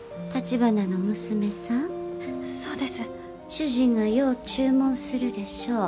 主人がよう注文するでしょう。